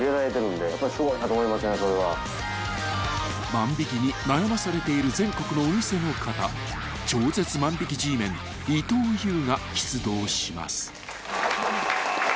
［万引に悩まされている全国のお店の方超絶万引Ｇメン伊東ゆうが出動します］は。